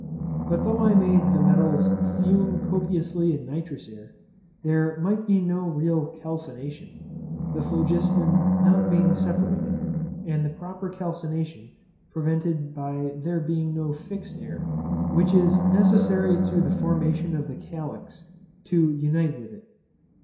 But though I made the metals fume copiously in nitrous air, there might be no real calcination, the phlogiston not being separated, and the proper calcination prevented by there being no fixed air, which is necessary to the formation of the calx, to unite with it.